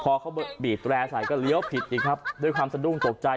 พอเขาบีบแตร่ใส่ก็เลี้ยวผิดอีกครับด้วยความสะดุ้งตกใจ